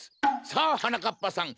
さあはなかっぱさん